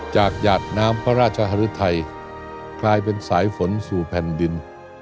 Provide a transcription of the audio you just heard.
จากหยาดน้ำพระราชหรือไทยคลายเป็นสายฝนสู่แผ่นดิน